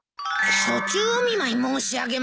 「暑中お見舞い申し上げます」